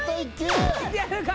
いけるか？